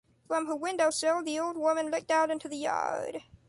From her window sill, the old woman looked out into the yard.